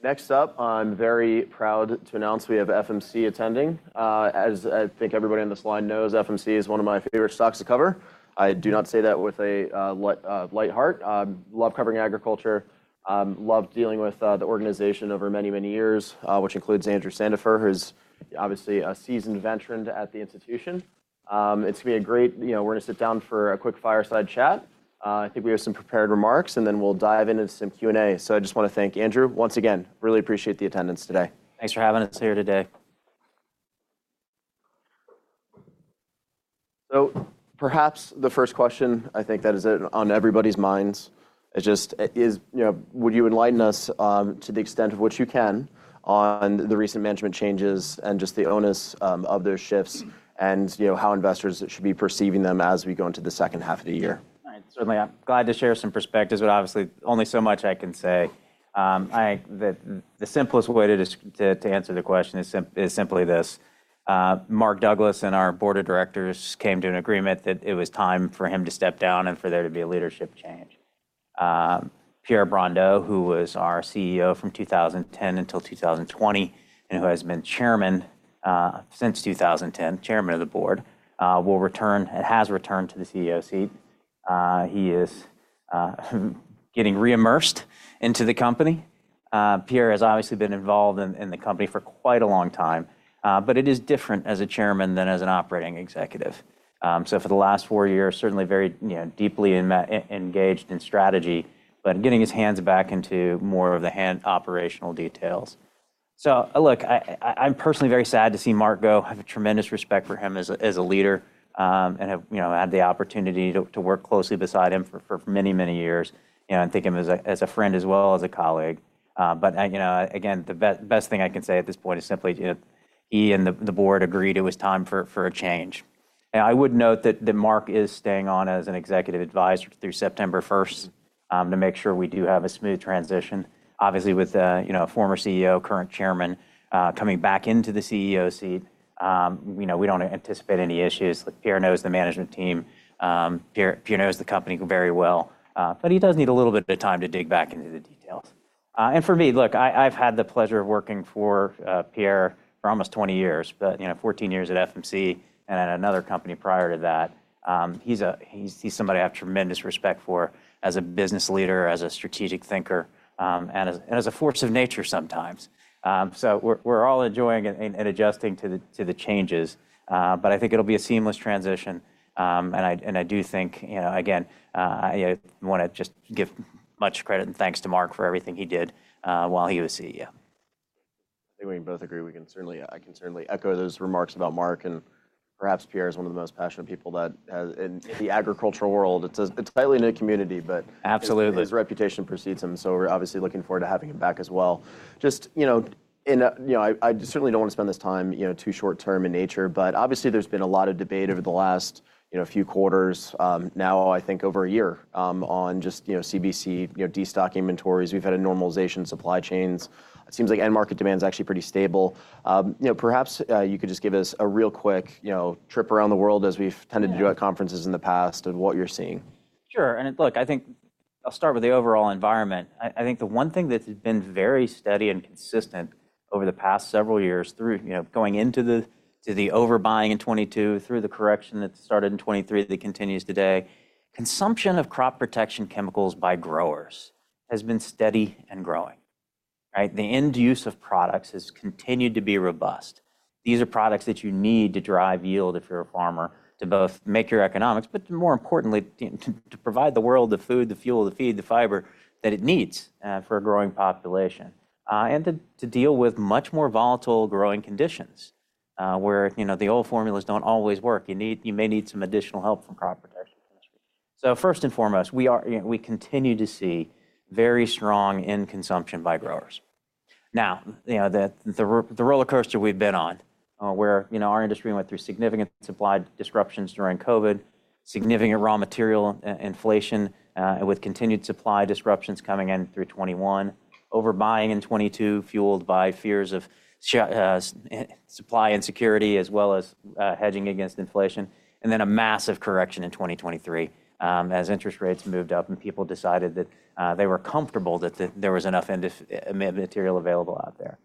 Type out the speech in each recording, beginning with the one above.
Next up, I'm very proud to announce we have FMC attending. As I think everybody on this line knows, FMC is one of my favorite stocks to cover. I do not say that with a light heart. Love covering agriculture, loved dealing with the organization over many, many years, which includes Andrew Sandifer, who's obviously a seasoned veteran at the institution. It's gonna be a great, you know, we're gonna sit down for a quick fireside chat. I think we have some prepared remarks, and then we'll dive into some Q&A. So I just wanna thank Andrew. Once again, really appreciate the attendance today. Thanks for having us here today. Perhaps the first question I think that is on everybody's minds is just, you know, would you enlighten us, to the extent of which you can on the recent management changes and just the onus of those shifts, and, you know, how investors should be perceiving them as we go into the second half of the year? I certainly, I'm glad to share some perspectives, but obviously, only so much I can say. The simplest way to answer the question is simply this. Mark Douglas and our Board of Directors came to an agreement that it was time for him to step down and for there to be a leadership change. Pierre Brondeau, who was our CEO from 2010 until 2020 and who has been Chairman since 2010, Chairman of the Board, will return and has returned to the CEO seat. He is getting reimmersed into the company. Pierre has obviously been involved in the company for quite a long time, but it is different as a Chairman than as an Operating Executive. So for the last four years, certainly very, you know, deeply engaged in strategy, but getting his hands back into more of the operational details. So, look, I, I'm personally very sad to see Mark go. I have a tremendous respect for him as a, as a leader, and have, you know, had the opportunity to, to work closely beside him for, for many, many years, and I think him as a, as a friend as well as a colleague. But, you know, again, the best thing I can say at this point is simply, he and the Board agreed it was time for a change. I would note that Mark is staying on as an executive advisor through September 1st to make sure we do have a smooth transition. Obviously, with, you know, a former CEO, current Chairman, coming back into the CEO seat, you know, we don't anticipate any issues. Pierre knows the management team. Pierre, Pierre knows the company very well, but he does need a little bit of time to dig back into the details. For me, look, I've had the pleasure of working for Pierre for almost 20 years, but, you know, 14 years at FMC and at another company prior to that. He's, he's, he's somebody I have tremendous respect for as a business leader, as a strategic thinker, and as, and as a force of nature sometimes. We're all enjoying and adjusting to the changes, but I think it'll be a seamless transition. And I do think, you know, again, I wanna just give much credit and thanks to Mark for everything he did while he was CEO. I think we both agree. I can certainly echo those remarks about Mark, and perhaps Pierre is one of the most passionate people that in the agricultural world. It's a tightly-knit community, but. Absolutely. His reputation precedes him, so we're obviously looking forward to having him back as well. Just, you know, I certainly don't want to spend this time, you know, too short term in nature, but obviously there's been a lot of debate over the last, you know, few quarters, now, I think over a year, on just, you know, channel destock inventories. We've had a normalization in supply chains. It seems like end market demand is actually pretty stable. You know, perhaps you could just give us a real quick, you know, trip around the world as we've tended to do at conferences in the past and what you're seeing. Sure. And look, I think I'll start with the overall environment. I think the one thing that's been very steady and consistent over the past several years through, you know, going into the overbuying in 2022, through the correction that started in 2023, that continues today, consumption of crop protection chemicals by growers has been steady and growing, right? The end use of products has continued to be robust. These are products that you need to drive yield if you're a farmer, to both make your economics, but more importantly, to provide the world the food, the fuel, the feed, the fiber that it needs for a growing population, and to deal with much more volatile growing conditions, where, you know, the old formulas don't always work. You may need some additional help from crop protection chemistry. So first and foremost, we are, you know, we continue to see very strong end consumption by growers. Now, you know, the rollercoaster we've been on, where, you know, our industry went through significant supply disruptions during COVID, significant raw material inflation, with continued supply disruptions coming in through 2021, overbuying in 2022, fueled by fears of supply insecurity, as well as, hedging against inflation, and then a massive correction in 2023, as interest rates moved up and people decided that they were comfortable that there was enough end material available out there.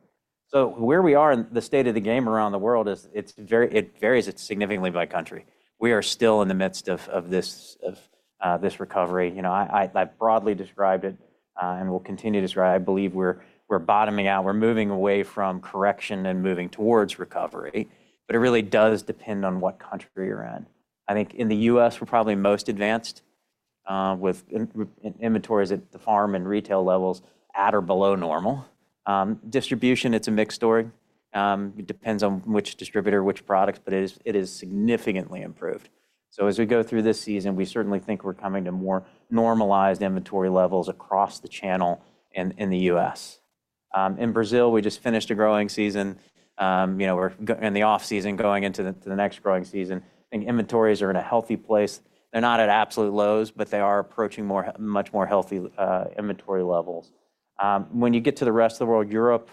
So where we are in the state of the game around the world is, it's very. It varies significantly by country. We are still in the midst of this recovery. You know, I’ve broadly described it, and we’ll continue to describe. I believe we’re bottoming out. We’re moving away from correction and moving towards recovery, but it really does depend on what country you’re in. I think in the U.S., we’re probably most advanced, with inventories at the farm and retail levels at or below normal. Distribution, it’s a mixed story. It depends on which distributor, which products, but it is significantly improved. So as we go through this season, we certainly think we’re coming to more normalized inventory levels across the channel in the U.S. In Brazil, we just finished a growing season. You know, we’re in the off-season, going into the next growing season, and inventories are in a healthy place. They're not at absolute lows, but they are approaching more, much more healthy inventory levels. When you get to the rest of the world, Europe,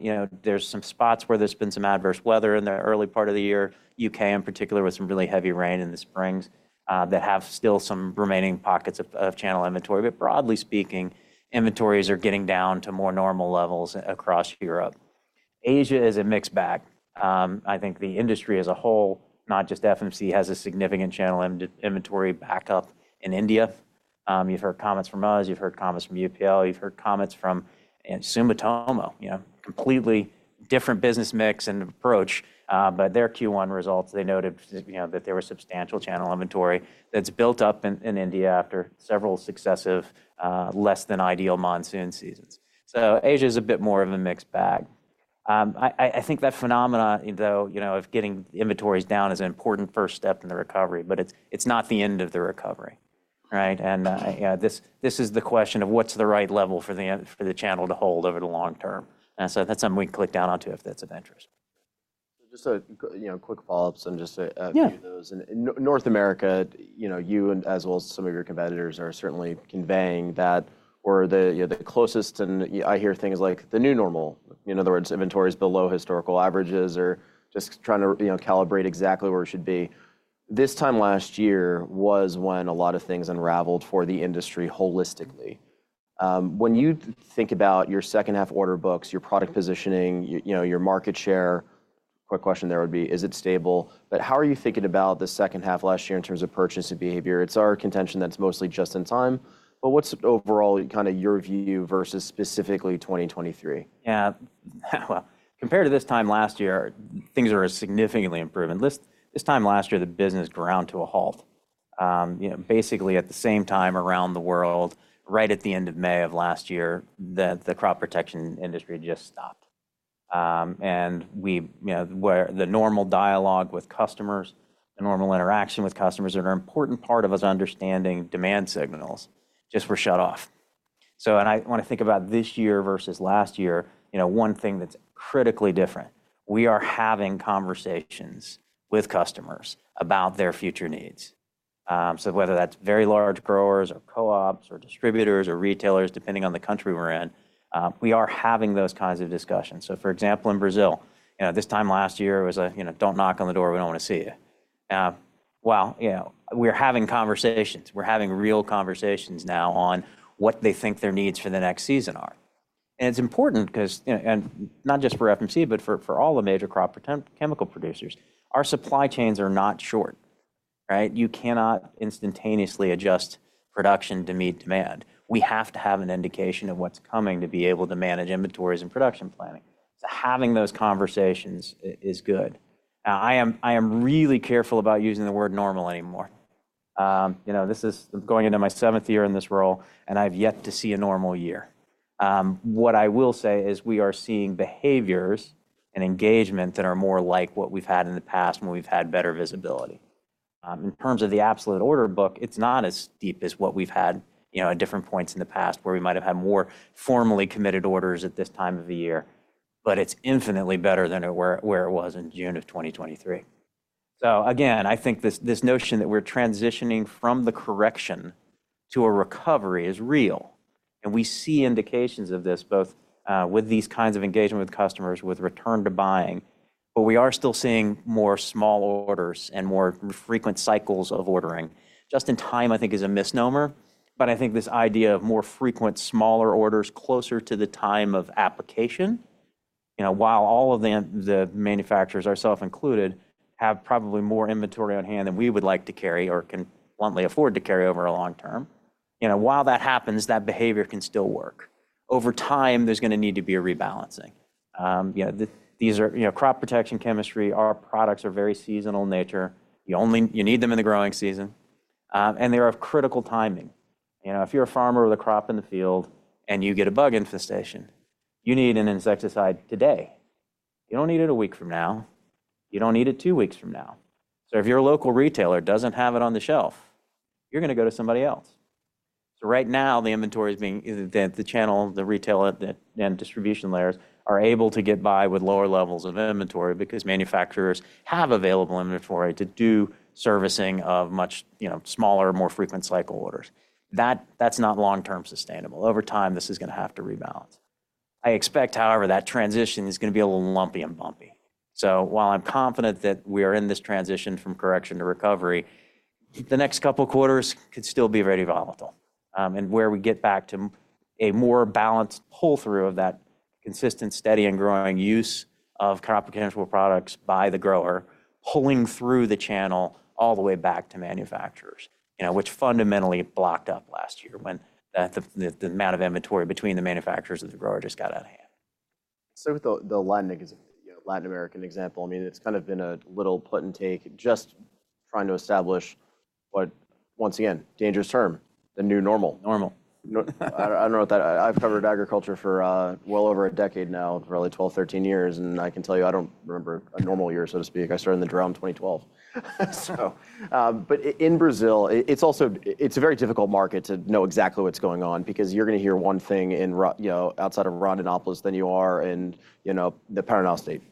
you know, there's some spots where there's been some adverse weather in the early part of the year, U.K. in particular, with some really heavy rain in the springs that have still some remaining pockets of channel inventory. But broadly speaking, inventories are getting down to more normal levels across Europe. Asia is a mixed bag. I think the industry as a whole, not just FMC, has a significant channel inventory backup in India. You've heard comments from us, you've heard comments from UPL, you've heard comments from Sumitomo. You know, completely different business mix and approach, but their Q1 results, they noted, you know, that there was substantial channel inventory that's built up in India after several successive less than ideal monsoon seasons. So Asia's a bit more of a mixed bag. I think that phenomena, though, you know, of getting inventories down is an important first step in the recovery, but it's not the end of the recovery, right? And yeah, this is the question of what's the right level for the channel to hold over the long term. And so that's something we can click down onto if that's of interest. Just, you know, quick follow-up on just a few of those. Yeah. In North America, you know, you, and as well as some of your competitors, are certainly conveying that we're the, you know, the closest. I hear things like the new normal. In other words, inventories below historical averages or just trying to, you know, calibrate exactly where it should be. This time last year was when a lot of things unraveled for the industry holistically. When you think about your second half order books, your product positioning, you know, your market share, quick question there would be. Is it stable? How are you thinking about the second half last year in terms of purchasing behavior? It's our contention that it's mostly just in time, but what's overall kind of your view versus specifically 2023? Yeah. Well, compared to this time last year, things are significantly improved, and this, this time last year, the business ground to a halt. You know, basically, at the same time around the world, right at the end of May of last year, the, the crop protection industry just stopped. And we, you know, where the normal dialogue with customers, the normal interaction with customers, are an important part of us understanding demand signals, just were shut off. So and I want to think about this year versus last year, you know, one thing that's critically different, we are having conversations with customers about their future needs. So whether that's very large growers or co-ops or distributors or retailers, depending on the country we're in, we are having those kinds of discussions. So, for example, in Brazil, you know, this time last year, it was, you know, "Don't knock on the door, we don't want to see you." Well, you know, we're having conversations. We're having real conversations now on what they think their needs for the next season are. And it's important 'cause, you know, and not just for FMC, but for all the major crop protection chemical producers, our supply chains are not short, right? You cannot instantaneously adjust production to meet demand. We have to have an indication of what's coming to be able to manage inventories and production planning. So having those conversations is good. I am really careful about using the word normal anymore. You know, this is going into my seventh year in this role, and I've yet to see a normal year. What I will say is we are seeing behaviors and engagement that are more like what we've had in the past when we've had better visibility. In terms of the absolute order book, it's not as deep as what we've had, you know, at different points in the past, where we might have had more formally committed orders at this time of the year, but it's infinitely better than it was in June of 2023. So again, I think this notion that we're transitioning from the correction to a recovery is real, and we see indications of this both with these kinds of engagement with customers, with return to buying. But we are still seeing more small orders and more frequent cycles of ordering. Just in time, I think, is a misnomer, but I think this idea of more frequent, smaller orders closer to the time of application, you know, while all of the manufacturers, ourselves included, have probably more inventory on hand than we would like to carry or can bluntly afford to carry over a long term. You know, while that happens, that behavior can still work. Over time, there's gonna need to be a rebalancing. You know, these are you know, crop protection chemistry, our products are very seasonal in nature. You only need them in the growing season, and they are of critical timing. You know, if you're a farmer with a crop in the field and you get a bug infestation, you need an insecticide today. You don't need it a week from now. You don't need it two weeks from now. So if your local retailer doesn't have it on the shelf, you're gonna go to somebody else. So right now, the channel, the retailer, and distribution layers are able to get by with lower levels of inventory because manufacturers have available inventory to do servicing of much, you know, smaller, more frequent cycle orders. That's not long-term sustainable. Over time, this is gonna have to rebalance. I expect, however, that transition is gonna be a little lumpy and bumpy. So while I'm confident that we are in this transition from correction to recovery, the next couple quarters could still be very volatile, and where we get back to a more balanced pull-through of that consistent, steady, and growing use of crop protection products by the grower, pulling through the channel all the way back to manufacturers. You know, which fundamentally blocked up last year when the amount of inventory between the manufacturers and the grower just got out of hand. So with the Latin, you know, Latin American example, I mean, it's kind of been a little put and take, just trying to establish what, once again, dangerous term, the new normal. Normal. I, I don't know what that I've covered agriculture for, well over a decade now, probably 12, 13 years, and I can tell you, I don't remember a normal year, so to speak. I started in the drought in 2012. So, but in Brazil, it's also, it's a very difficult market to know exactly what's going on because you're gonna hear one thing in, you know, outside of Rondonópolis than you are in, you know, the Paraná State. It's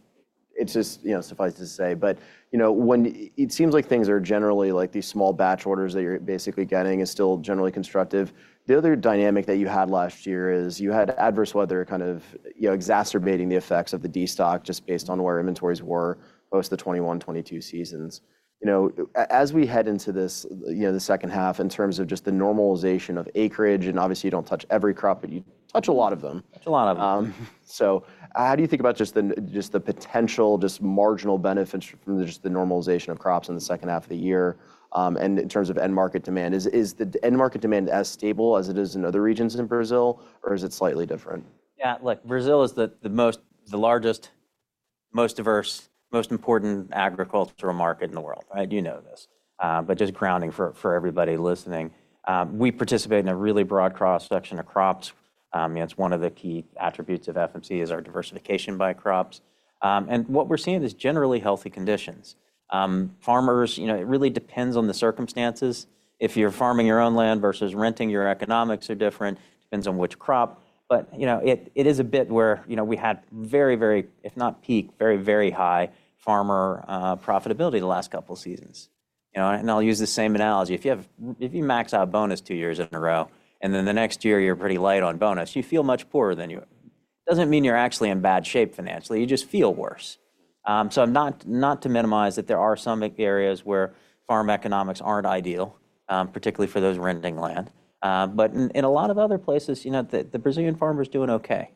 just, you know, suffice to say, but, you know, when it seems like things are generally like these small batch orders that you're basically getting is still generally constructive. The other dynamic that you had last year is you had adverse weather kind of, you know, exacerbating the effects of the destock, just based on where inventories were post the 2021, 2022 seasons. You know, as we head into this, you know, the second half in terms of just the normalization of acreage, and obviously you don't touch every crop, but you touch a lot of them. Touch a lot of them. So how do you think about the potential marginal benefits from the normalization of crops in the second half of the year, and in terms of end market demand? Is the end market demand as stable as it is in other regions in Brazil, or is it slightly different? Yeah, look, Brazil is the largest, most diverse, most important agricultural market in the world, right? You know this, but just grounding for everybody listening. We participate in a really broad cross-section of crops. You know, it's one of the key attributes of FMC is our diversification by crops. And what we're seeing is generally healthy conditions. Farmers, you know, it really depends on the circumstances. If you're farming your own land versus renting, your economics are different, depends on which crop. But, you know, it is a bit where, you know, we had very, very, if not peak, very, very high farmer profitability the last couple seasons. You know, and I'll use the same analogy. If you max out bonus two years in a row, and then the next year you're pretty light on bonus, you feel much poorer than you. Doesn't mean you're actually in bad shape financially, you just feel worse. So not to minimize that there are some areas where farm economics aren't ideal, particularly for those renting land. But in a lot of other places, you know, the Brazilian farmer's doing okay.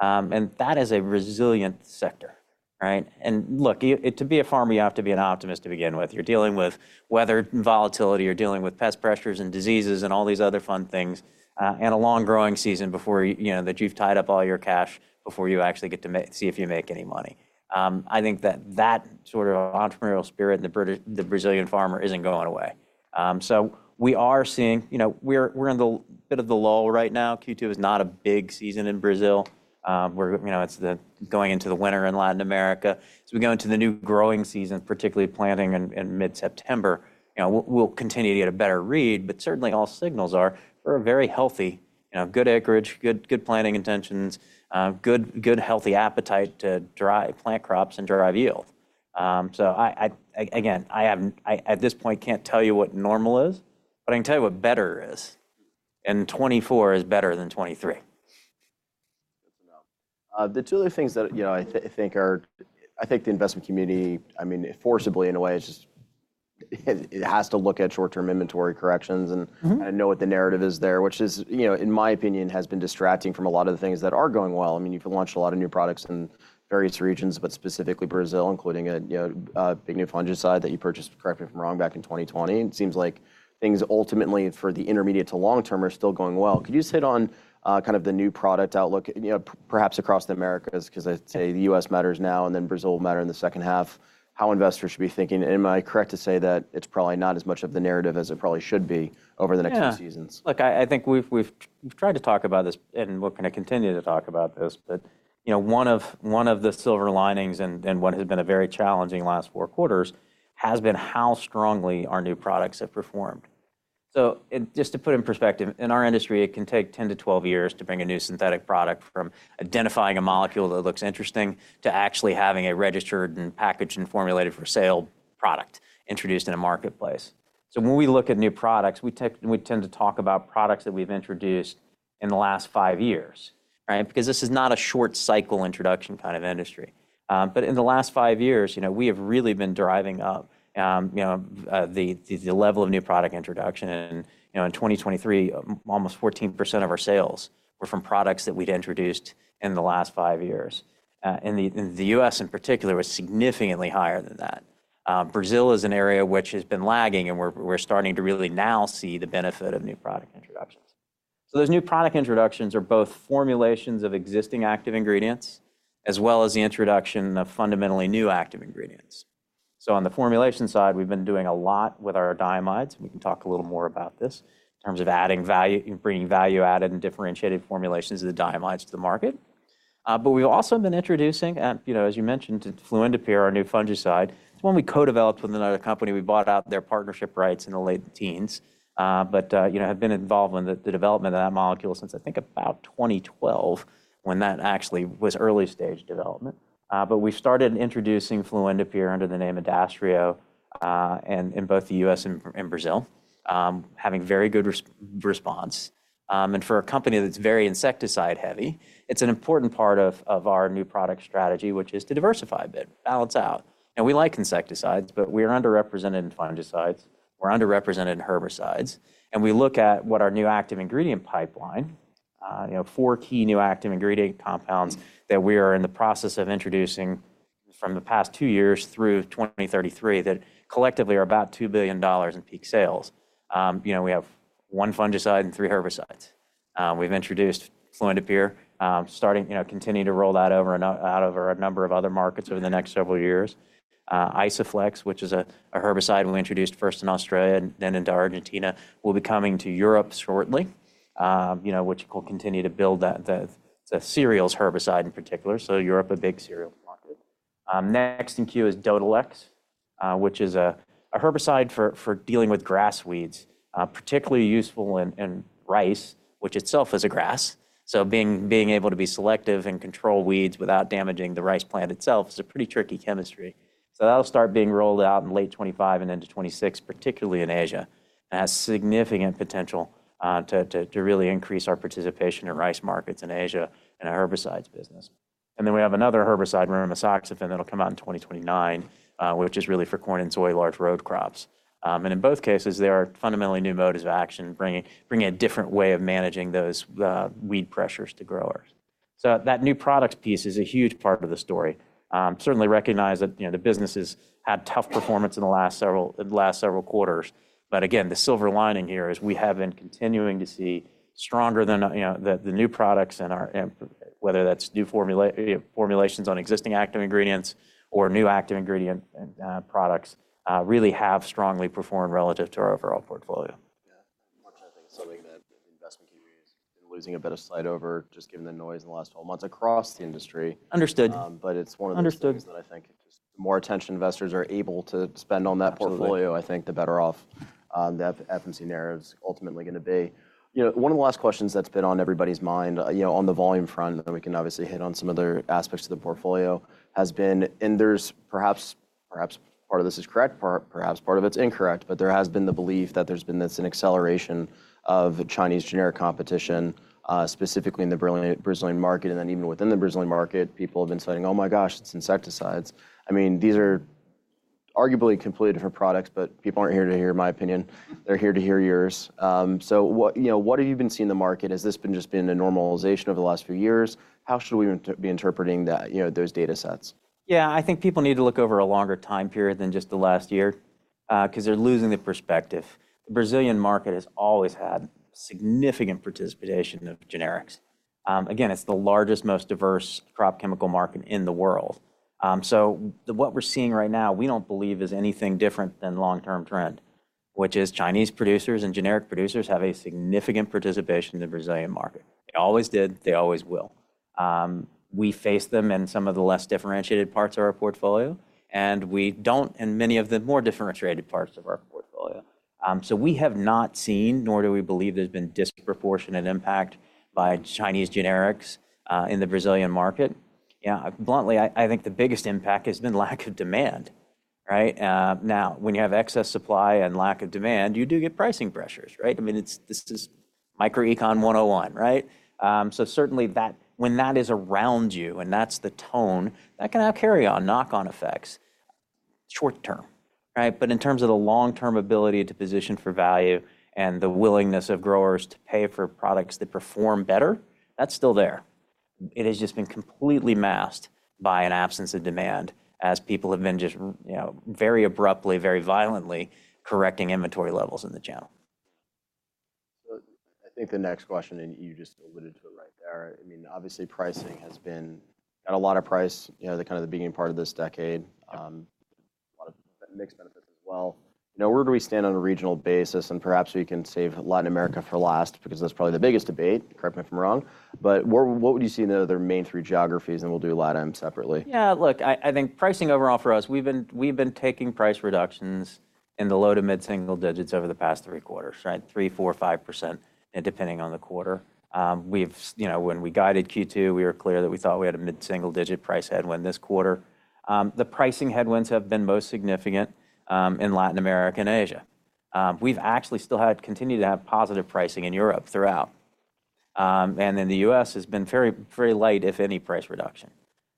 And that is a resilient sector, right? And look, you, to be a farmer, you have to be an optimist to begin with. You're dealing with weather volatility, you're dealing with pest pressures and diseases, and all these other fun things, and a long growing season before you know that you've tied up all your cash before you actually get to see if you make any money. I think that that sort of entrepreneurial spirit in the Brazilian farmer isn't going away. So we are seeing you know, we're in the midst of the lull right now. Q2 is not a big season in Brazil. You know, it's going into the winter in Latin America. As we go into the new growing season, particularly planting in mid-September, you know, we'll continue to get a better read, but certainly all signals are we're very healthy. You know, good acreage, good, good planting intentions, good, good healthy appetite to drive plant crops and drive yield. So I again am at this point can't tell you what normal is, but I can tell you what better is, and 2024 is better than 2023. That's enough. The two other things that, you know, I think are I think the investment community, I mean, forcibly in a way, it's just, it has to look at short-term inventory corrections. Mm-hmm. And know what the narrative is there, which is, you know, in my opinion, has been distracting from a lot of the things that are going well. I mean, you've launched a lot of new products in various regions, but specifically Brazil, including a, you know, a big new fungicide that you purchased, correct me if I'm wrong, back in 2020. It seems like things ultimately, for the intermediate to long term, are still going well. Could you just hit on, kind of the new product outlook, you know, perhaps across the Americas? Cause I'd say the U.S. matters now, and then Brazil will matter in the second half, how investors should be thinking. Am I correct to say that it's probably not as much of the narrative as it probably should be over the next few seasons? Yeah. Look, I think we've tried to talk about this, and we're gonna continue to talk about this, but, you know, one of the silver linings in what has been a very challenging last four quarters has been how strongly our new products have performed. So just to put it in perspective, in our industry, it can take 10 years-12 years to bring a new synthetic product from identifying a molecule that looks interesting to actually having it registered, and packaged, and formulated for sale, product introduced in a marketplace. So when we look at new products, we tend to talk about products that we've introduced in the last five years, right? Because this is not a short-cycle introduction kind of industry. But in the last five years, you know, we have really been driving up the level of new product introduction. You know, in 2023, almost 14% of our sales were from products that we'd introduced in the last five years. In the U.S. in particular, was significantly higher than that. Brazil is an area which has been lagging, and we're starting to really now see the benefit of new product introductions. So those new product introductions are both formulations of existing active ingredients, as well as the introduction of fundamentally new active ingredients. So on the formulation side, we've been doing a lot with our diamides. We can talk a little more about this in terms of adding value, bringing value added and differentiated formulations of the diamides to the market. But we've also been introducing, you know, as you mentioned, fluindapyr, our new fungicide. It's one we co-developed with another company. We bought out their partnership rights in the late teens. But you know, have been involved in the development of that molecule since, I think, about 2012, when that actually was early-stage development. But we've started introducing fluindapyr under the name Adastrio in both the U.S. and Brazil, having very good response. And for a company that's very insecticide heavy, it's an important part of our new product strategy, which is to diversify a bit, balance out. We like insecticides, but we're underrepresented in fungicides, we're underrepresented in herbicides, and we look at what our new active ingredient pipeline, you know, four key new active ingredient compounds that we are in the process of introducing from the past two years through 2033, that collectively are about $2 billion in peak sales. You know, we have one fungicide and three herbicides. We've introduced fluindapyr, starting, you know, continuing to roll that over and out over a number of other markets over the next several years. Isoflex, which is a herbicide we introduced first in Australia and then into Argentina, will be coming to Europe shortly, you know, which will continue to build that, the cereals herbicide in particular, so Europe, a big cereal market. Next in queue is Dodhylex. Which is a herbicide for dealing with grass weeds. Particularly useful in rice, which itself is a grass. So being able to be selective and control weeds without damaging the rice plant itself is a pretty tricky chemistry. So that'll start being rolled out in late 2025 and into 2026, particularly in Asia. It has significant potential to really increase our participation in rice markets in Asia and our herbicides business. And then we have another herbicide, rimisoxafen, that'll come out in 2029, which is really for corn and soy, large row crops. And in both cases, they are fundamentally new modes of action, bringing a different way of managing those weed pressures to growers. So that new product piece is a huge part of the story. Certainly recognize that, you know, the business has had tough performance in the last several quarters. But again, the silver lining here is we have been continuing to see stronger than the new products and whether that's new formulations on existing active ingredients or new active ingredient products really have strongly performed relative to our overall portfolio. Yeah. Unfortunately, I think something that the investment community has been losing a bit of sight over, just given the noise in the last 12 months across the industry. Understood. But it's one of those. Understood. Things that I think just the more attention investors are able to spend on that portfolio. Absolutely. I think the better off, the FMC narrative's ultimately gonna be. You know, one of the last questions that's been on everybody's mind, you know, on the volume front, and we can obviously hit on some other aspects of the portfolio, has been and there's perhaps, perhaps part of this is correct, perhaps part of it's incorrect, but there has been the belief that there's been this, an acceleration of Chinese generic competition, specifically in the Brazilian market, and then even within the Brazilian market, people have been saying, "Oh my gosh, it's insecticides." I mean, these are arguably completely different products, but people aren't here to hear my opinion, they're here to hear yours. So what you know, what have you been seeing in the market? Has this been just a normalization over the last few years? How should we interpret that, you know, those data sets? Yeah, I think people need to look over a longer time period than just the last year, 'cause they're losing the perspective. The Brazilian market has always had significant participation of generics. Again, it's the largest, most diverse crop chemical market in the world. So what we're seeing right now, we don't believe is anything different than long-term trend, which is Chinese producers and generic producers have a significant participation in the Brazilian market. They always did, they always will. We face them in some of the less differentiated parts of our portfolio, and we don't in many of the more differentiated parts of our portfolio. So we have not seen, nor do we believe there's been disproportionate impact by Chinese generics in the Brazilian market. Yeah, bluntly, I, I think the biggest impact has been lack of demand, right? Now, when you have excess supply and lack of demand, you do get pricing pressures, right? I mean, it's this is microecon 101, right? So certainly, that when that is around you, and that's the tone, that can have carry-on, knock-on effects short term, right? But in terms of the long-term ability to position for value and the willingness of growers to pay for products that perform better, that's still there. It has just been completely masked by an absence of demand, as people have been just you know, very abruptly, very violently correcting inventory levels in the channel. So I think the next question, and you just alluded to it right there, I mean, obviously, pricing has been had a lot of price, you know, at the kind of the beginning part of this decade, a lot of mixed benefits as well. Now, where do we stand on a regional basis? And perhaps we can save Latin America for last, because that's probably the biggest debate, correct me if I'm wrong, but where, what would you see in the other main three geographies, and we'll do LatAm separately. Yeah, look, I think pricing overall for us, we've been taking price reductions in the low to mid-single digits over the past three quarters, right? 3%, 4%, 5%, and depending on the quarter. You know, when we guided Q2, we were clear that we thought we had a mid-single-digit price headwind this quarter. The pricing headwinds have been most significant in Latin America and Asia. We've actually still had, continued to have positive pricing in Europe throughout. In the U.S., it's been very, very light, if any, price reduction.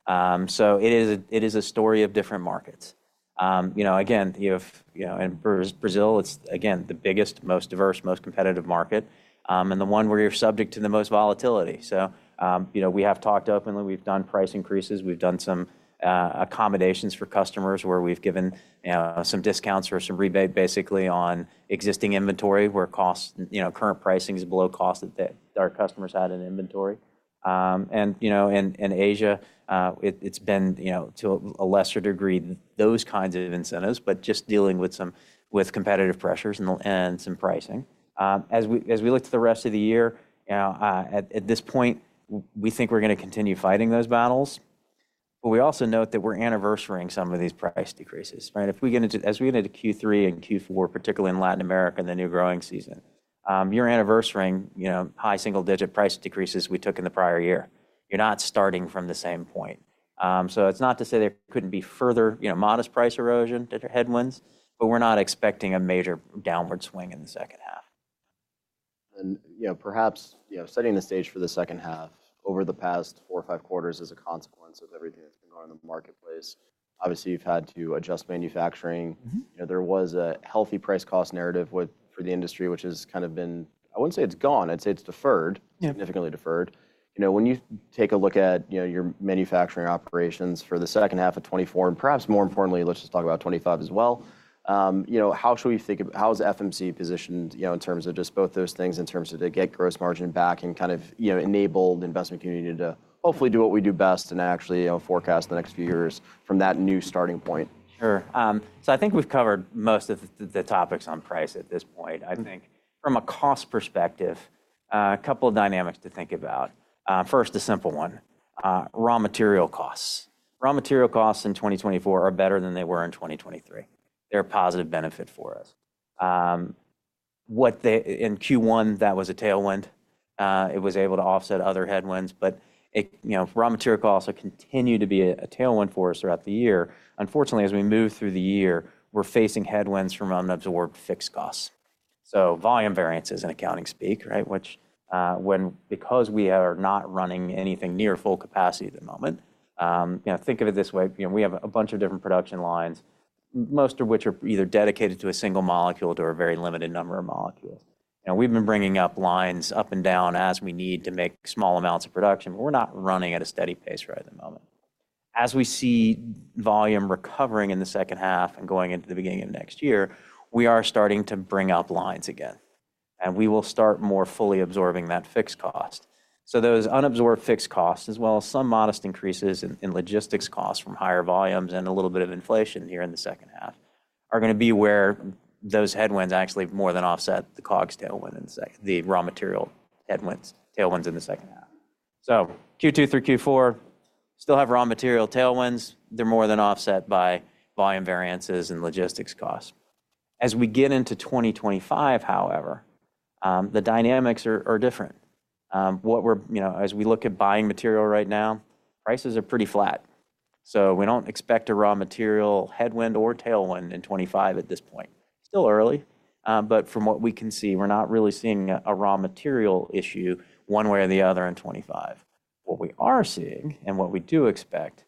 So it is a story of different markets. You know, again, you have, you know, in Brazil, it's, again, the biggest, most diverse, most competitive market, and the one where you're subject to the most volatility. So, you know, we have talked openly, we've done price increases, we've done some accommodations for customers, where we've given some discounts or some rebate, basically, on existing inventory, where costs, you know, current pricing is below cost that our customers had in inventory. And, you know, in, in Asia, it, it's been, you know, to a lesser degree, those kinds of incentives, but just dealing with competitive pressures and some pricing. As we, as we look to the rest of the year, you know, at, at this point, we think we're gonna continue fighting those battles, but we also note that we're anniversarying some of these price decreases, right? If we get into. As we get into Q3 and Q4, particularly in Latin America and the new growing season, you're anniversarying, you know, high single-digit price decreases we took in the prior year. You're not starting from the same point. So it's not to say there couldn't be further, you know, modest price erosion headwinds, but we're not expecting a major downward swing in the second half. You know, perhaps, you know, setting the stage for the second half, over the past four or five quarters, as a consequence of everything that's been going on in the marketplace, obviously, you've had to adjust manufacturing. Mm-hmm. You know, there was a healthy price-cost narrative for the industry, which has kind of been I wouldn't say it's gone, I'd say it's deferred. Yeah. Significantly deferred. You know, when you take a look at, you know, your manufacturing operations for the second half of 2024, and perhaps more importantly, let's just talk about 2025 as well, you know, how should we think—how is FMC positioned, you know, in terms of just both those things, in terms of to get gross margin back and kind of, you know, enable the investment community to hopefully do what we do best and actually, you know, forecast the next few years from that new starting point? Sure. So I think we've covered most of the topics on price at this point. Mm-hmm. I think from a cost perspective, a couple of dynamics to think about. First, raw material costs. Raw material costs in 2024 are better than they were in 2023. They're a positive benefit for us. In Q1, that was a tailwind. It was able to offset other headwinds, but it, you know, raw material costs have continued to be a tailwind for us throughout the year. Unfortunately, as we move through the year, we're facing headwinds from unabsorbed fixed costs. So volume variance is in accounting speak, right? Which, when, because we are not running anything near full capacity at the moment, you know, think of it this way, you know, we have a bunch of different production lines, most of which are either dedicated to a single molecule or a very limited number of molecules. And we've been bringing up lines up and down as we need to make small amounts of production. We're not running at a steady pace right at the moment. As we see volume recovering in the second half and going into the beginning of next year, we are starting to bring up lines again, and we will start more fully absorbing that fixed cost. So those unabsorbed fixed costs, as well as some modest increases in in logistics costs from higher volumes and a little bit of inflation here in the second half, are gonna be where those headwinds actually more than offset the COGS tailwind in the sec the raw material headwinds, tailwinds in the second half. So Q2 through Q4 still have raw material tailwinds. They're more than offset by volume variances and logistics costs. As we get into 2025, however, the dynamics are different. What we're you know, as we look at buying material right now, prices are pretty flat. So we don't expect a raw material headwind or tailwind in 2025 at this point. Still early, but from what we can see, we're not really seeing a raw material issue one way or the other in 2025. What we are seeing, and what we do expect,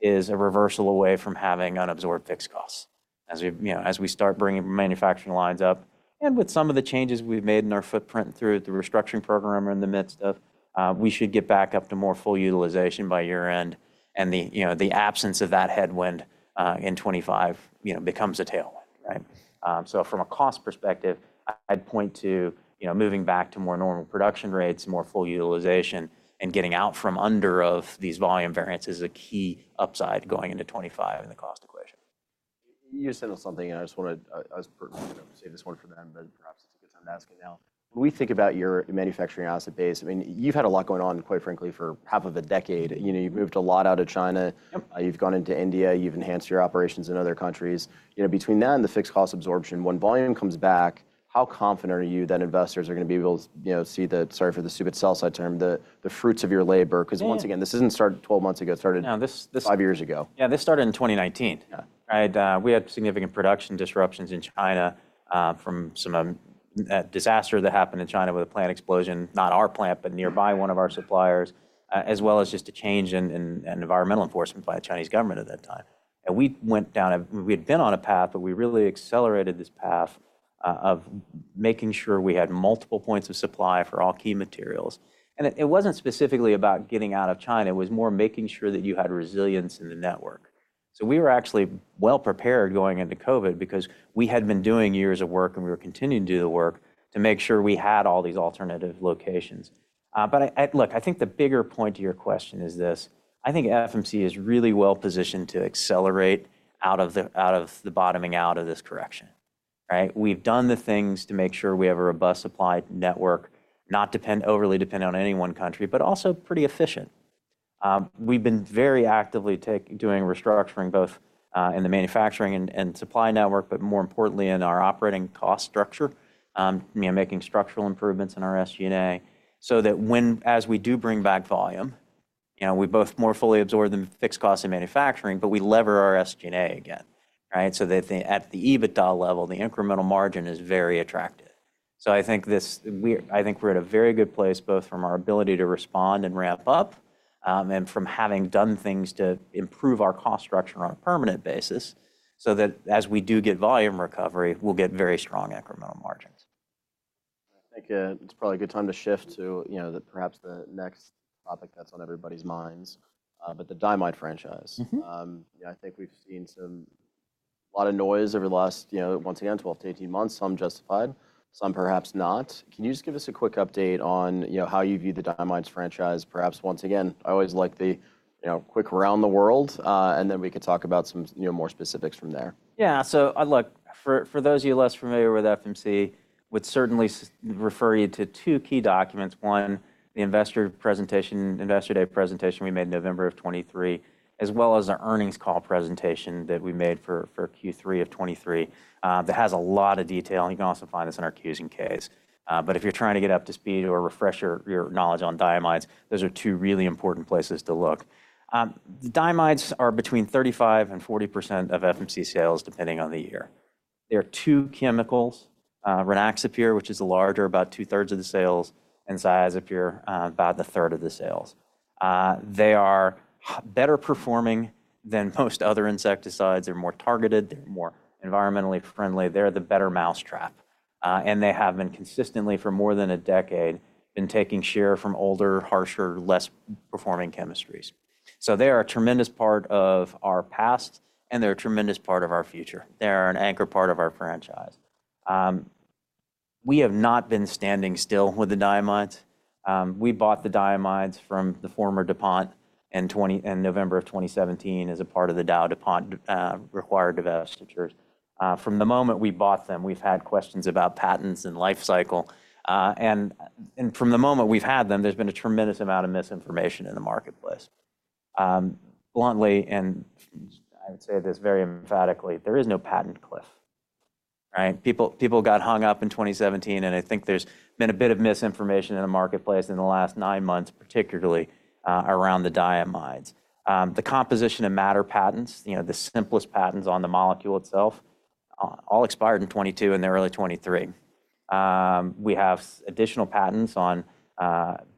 is a reversal away from having unabsorbed fixed costs. As we, you know, as we start bringing manufacturing lines up, and with some of the changes we've made in our footprint through the restructuring program we're in the midst of, we should get back up to more full utilization by year-end. And the, you know, the absence of that headwind, in 2025, you know, becomes a tailwind, right? So from a cost perspective, I'd point to, you know, moving back to more normal production rates, more full utilization, and getting out from under of these volume variances, a key upside going into 2025 in the cost equation. You said something, and I just wanted, save this one for then, but perhaps it's a good time to ask it now. When we think about your manufacturing asset base, I mean, you've had a lot going on, quite frankly, for half of a decade. You know, you've moved a lot out of China. Yep. You've gone into India, you've enhanced your operations in other countries. You know, between that and the fixed cost absorption, when volume comes back, how confident are you that investors are gonna be able to, you know, see the, sorry for the stupid sell-side term, the, the fruits of your labor? Yeah. 'Cause once again, this isn't started twelve months ago, it started. No, this. Five years ago. Yeah, this started in 2019. Yeah. Right, we had significant production disruptions in China, from some disaster that happened in China with a plant explosion. Not our plant, but nearby one of our suppliers. As well as just a change in environmental enforcement by the Chinese government at that time. We had been on a path, but we really accelerated this path of making sure we had multiple points of supply for all key materials. And it wasn't specifically about getting out of China, it was more making sure that you had resilience in the network. So we were actually well-prepared going into COVID because we had been doing years of work, and we were continuing to do the work to make sure we had all these alternative locations. But look, I think the bigger point to your question is this: I think FMC is really well positioned to accelerate out of the bottoming out of this correction, right? We've done the things to make sure we have a robust supply network, not overly dependent on any one country, but also pretty efficient. We've been very actively doing restructuring, both in the manufacturing and supply network, but more importantly, in our operating cost structure. You know, making structural improvements in our SG&A, so that when, as we do bring back volume, you know, we both more fully absorb the fixed costs in manufacturing, but we lever our SG&A again, right? So that the, at the EBITDA level, the incremental margin is very attractive. So I think we're at a very good place, both from our ability to respond and ramp up, and from having done things to improve our cost structure on a permanent basis, so that as we do get volume recovery, we'll get very strong incremental margins. I think it's probably a good time to shift to, you know, perhaps the next topic that's on everybody's minds, but the diamide franchise. Mm-hmm. You know, I think we've seen some a lot of noise over the last, you know, once again, 12 months-18 months. Some justified, some perhaps not. Can you just give us a quick update on, you know, how you view the diamides franchise? Perhaps once again, I always like the, you know, quick around the world, and then we could talk about some, you know, more specifics from there. Yeah, so, look, for those of you less familiar with FMC, would certainly refer you to two key documents. One, the investor presentation, Investor Day presentation we made in November of 2023, as well as our earnings call presentation that we made for Q3 of 2023. That has a lot of detail, and you can also find this in our Qs and Ks. But if you're trying to get up to speed or refresh your knowledge on diamides, those are two really important places to look. Diamides are between 35% and 40% of FMC sales, depending on the year. There are two chemicals, Rynaxypyr, which is the larger, about two-thirds of the sales, and Cyazypyr, about a third of the sales. They are better performing than most other insecticides. They're more targeted, they're more environmentally friendly. They're the better mousetrap, and they have been consistently, for more than a decade, been taking share from older, harsher, less performing chemistries. So they are a tremendous part of our past, and they're a tremendous part of our future. They are an anchor part of our franchise. We have not been standing still with the diamides. We bought the diamides from the former DuPont in November of 2017 as a part of the DowDuPont required divestitures. From the moment we bought them, we've had questions about patents and life cycle. And from the moment we've had them, there's been a tremendous amount of misinformation in the marketplace. Bluntly, and I would say this very emphatically, there is no patent cliff, right? People, people got hung up in 2017, and I think there's been a bit of misinformation in the marketplace in the last nine months, particularly, around the diamides. The composition of matter patents, you know, the simplest patents on the molecule itself, all expired in 2022 and early 2023. We have additional patents on,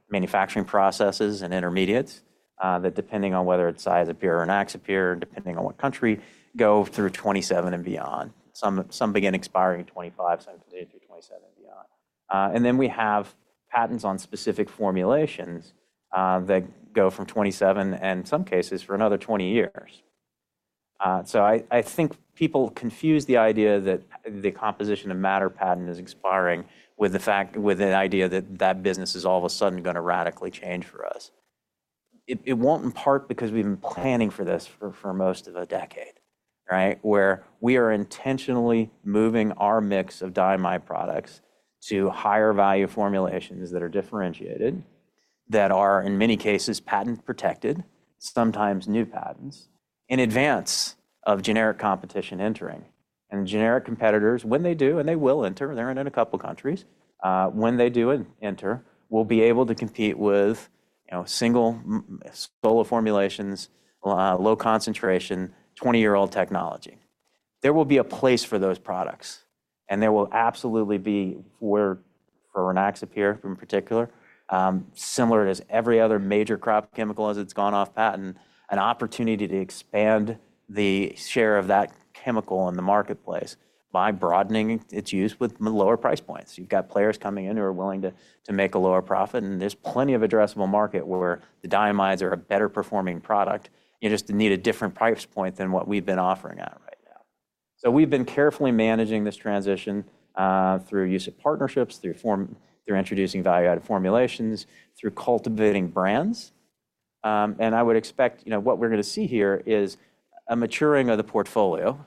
manufacturing processes and intermediates, that depending on whether it's Rynaxypyr or Cyazypyr, depending on what country, go through 2027 and beyond. Some, some begin expiring in 2025, some through 2027 and beyond. And then we have patents on specific formulations, that go from 2027 and in some cases, for another 20 years. So I think people confuse the idea that the composition of matter patent is expiring with the fact, with the idea that that business is all of a sudden gonna radically change for us. It won't, in part because we've been planning for this for most of a decade, right? Where we are intentionally moving our mix of diamide products to higher value formulations that are differentiated, that are, in many cases, patent-protected, sometimes new patents, in advance of generic competition entering. And generic competitors, when they do, and they will enter, they're in a couple of countries, when they do enter, will be able to compete with, you know, single solo formulations, low concentration, 20-year-old technology. There will be a place for those products, and there will absolutely be, where for Rynaxypyr in particular, similar to every other major crop chemical as it's gone off patent, an opportunity to expand the share of that chemical in the marketplace by broadening its use with lower price points. You've got players coming in who are willing to, to make a lower profit, and there's plenty of addressable market where the diamides are a better performing product. You just need a different price point than what we've been offering at right now. So we've been carefully managing this transition, through use of partnerships, through introducing value-added formulations, through cultivating brands. And I would expect, you know, what we're gonna see here is a maturing of the portfolio,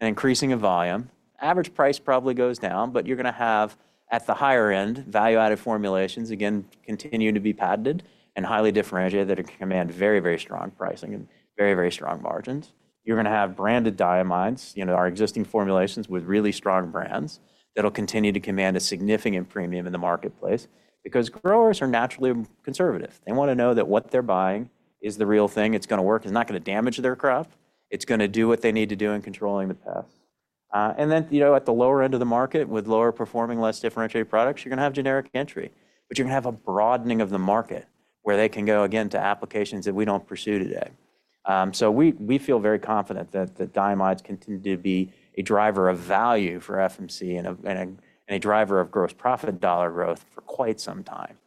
an increasing of volume. Average price probably goes down, but you're gonna have, at the higher end, value-added formulations, again, continuing to be patented and highly differentiated, that can command very, very strong pricing and very, very strong margins. You're gonna have branded diamides, you know, our existing formulations with really strong brands, that'll continue to command a significant premium in the marketplace. Because growers are naturally conservative. They wanna know that what they're buying is the real thing, it's gonna work, it's not gonna damage their crop, it's gonna do what they need to do in controlling the pest. And then, you know, at the lower end of the market, with lower performing, less differentiated products, you're gonna have generic entry, but you're gonna have a broadening of the market where they can go again to applications that we don't pursue today. So we, we feel very confident that the diamides continue to be a driver of value for FMC and a, and a, and a driver of gross profit dollar growth for quite some time.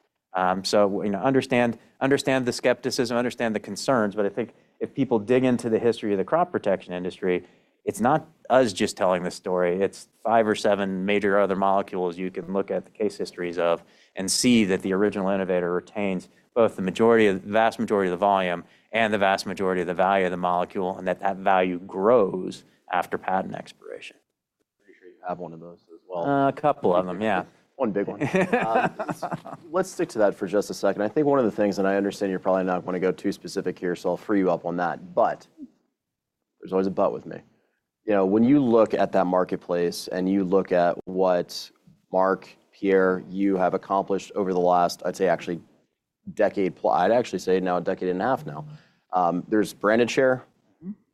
So, you know, understand, understand the skepticism, understand the concerns, but I think if people dig into the history of the crop protection industry, it's not us just telling the story, it's five or seven major other molecules you can look at the case histories of and see that the original innovator retains both the majority of the vast majority of the volume and the vast majority of the value of the molecule, and that that value grows after patent expiration. I'm pretty sure you have one of those as well. A couple of them, yeah. One big one. Let's stick to that for just a second. I think one of the things, and I understand you're probably not gonna go too specific here, so I'll free you up on that, but there's always a but with me. You know, when you look at that marketplace, and you look at what Mark, Pierre, you have accomplished over the last, I'd say, actually decade, I'd actually say now a decade and a half now, there's branded share.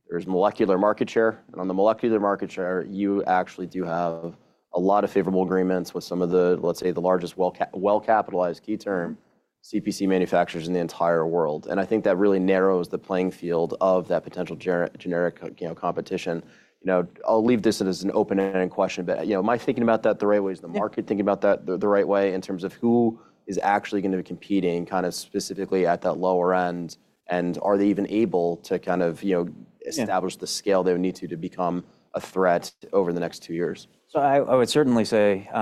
Mm-hmm. There's molecular market share. And on the molecular market share, you actually do have a lot of favorable agreements with some of the, let's say, the largest well-capitalized key term, CPC manufacturers in the entire world. And I think that really narrows the playing field of that potential generic, you know, competition. You know, I'll leave this as an open-ended question, but, you know, am I thinking about that the right way? Yeah. Is the market thinking about that the right way in terms of who is actually gonna be competing, kinda specifically at that lower end? And are they even able to kind of, you know. Yeah. Establish the scale they would need to, to become a threat over the next two years? So I would certainly say, you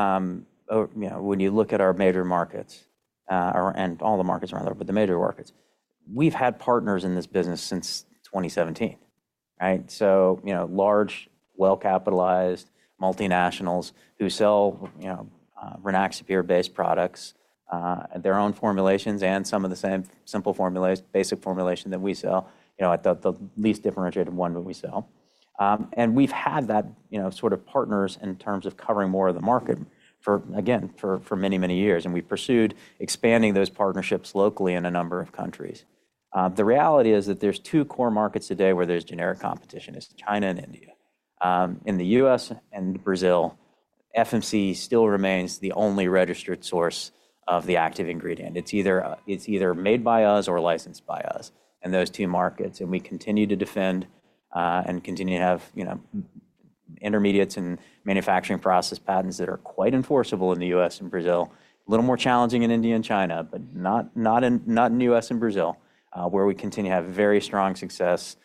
know, when you look at our major markets, and all the markets are out there, but the major markets, we've had partners in this business since 2017, right? So, you know, large, well-capitalized multinationals who sell, you know, Rynaxypyr-based products, their own formulations and some of the same simple formulas, basic formulation that we sell, you know, at the least differentiated one that we sell. And we've had that, you know, sort of partners in terms of covering more of the market for, again, for many, many years, and we've pursued expanding those partnerships locally in a number of countries. The reality is that there's two core markets today where there's generic competition. It's China and India. In the U.S. and Brazil, FMC still remains the only registered source of the active ingredient. It's either, it's either made by us or licensed by us in those two markets, and we continue to defend, and continue to have, you know, intermediates and manufacturing process patents that are quite enforceable in the U.S. and Brazil. A little more challenging in India and China, but not, not in, not in the U.S. and Brazil, where we continue to have very strong success,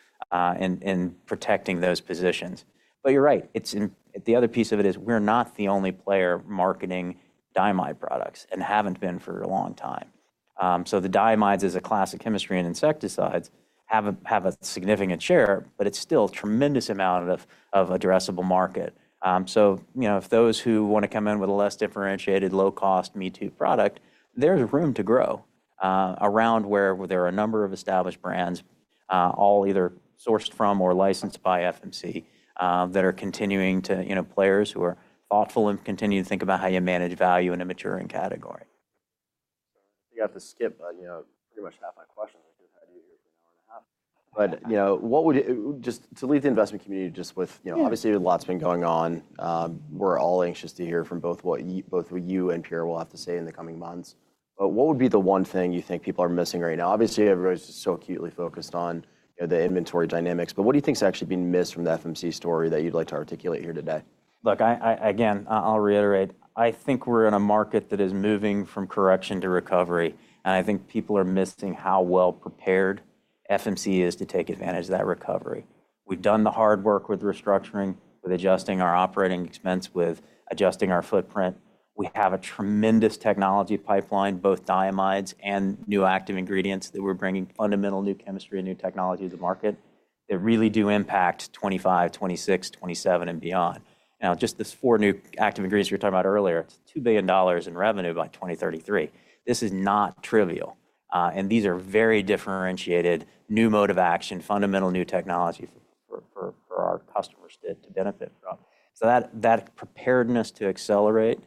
in, in protecting those positions. But you're right, it's in the other piece of it is, we're not the only player marketing diamide products and haven't been for a long time. So the diamides as a class of chemistry and insecticides have a, have a significant share, but it's still a tremendous amount of, of addressable market. So you know, if those who want to come in with a less differentiated, low-cost, me-too product, there's room to grow, around where there are a number of established brands, all either sourced from or licensed by FMC, that are continuing to, you know, players who are thoughtful and continue to think about how you manage value in a maturing category. You have to skip, you know, pretty much half my questions because I had you here for an hour and a half. But, you know, what would just to leave the investment community just with, you know? Yeah. Obviously, a lot's been going on. We're all anxious to hear from both what you and Pierre will have to say in the coming months. But what would be the one thing you think people are missing right now? Obviously, everybody's just so acutely focused on, you know, the inventory dynamics, but what do you think is actually being missed from the FMC story that you'd like to articulate here today? Look, again, I'll reiterate, I think we're in a market that is moving from correction to recovery, and I think people are missing how well-prepared FMC is to take advantage of that recovery. We've done the hard work with restructuring, with adjusting our operating expense, with adjusting our footprint. We have a tremendous technology pipeline, both diamides and new active ingredients, that we're bringing fundamental new chemistry and new technology to market that really do impact 2025, 2026, 2027, and beyond. Now, just these four new active ingredients we were talking about earlier, it's $2 billion in revenue by 2033. This is not trivial. And these are very differentiated, new mode of action, fundamental new technology for our customers to benefit from. So that preparedness to accelerate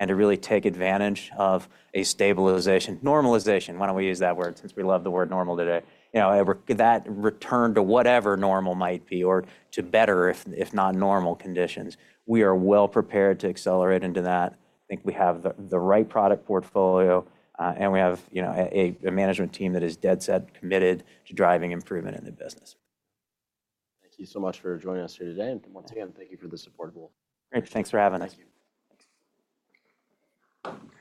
and to really take advantage of a stabilization. Normalization, why don't we use that word, since we love the word normal today? You know, that return to whatever normal might be or to better, if not normal conditions, we are well prepared to accelerate into that. I think we have the right product portfolio, and we have, you know, a management team that is dead set committed to driving improvement in the business. Thank you so much for joining us here today, and once again, thank you for the support. Great. Thanks for having us. Thank you. Thanks.